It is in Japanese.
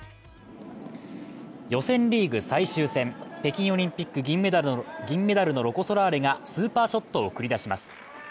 予選リーグ最終戦、北京オリンピック銀メダルのロコ・ソラーレがスーパーショットを繰り出します。